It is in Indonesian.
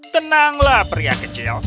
tenanglah pria kecil